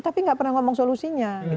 tapi nggak pernah ngomong solusinya